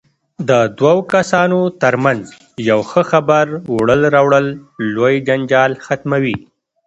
د دوو کسانو ترمنځ یو ښه خبر وړل راوړل لوی جنجال ختموي.